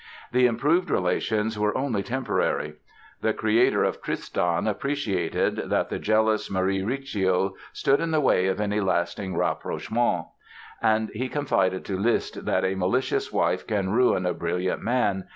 The improved relations were only temporary. The creator of "Tristan" appreciated that the jealous Marie Recio stood in the way of any lasting rapprochement. And he confided to Liszt that "a malicious wife can ruin a brilliant man